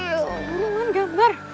buruan buruan gambar